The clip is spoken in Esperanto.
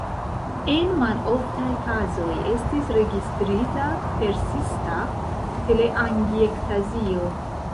En maloftaj kazoj estis registrita persista teleangiektazio.